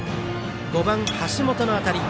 ５番、橋本の当たり。